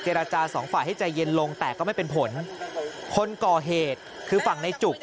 ราจาสองฝ่ายให้ใจเย็นลงแต่ก็ไม่เป็นผลคนก่อเหตุคือฝั่งในจุก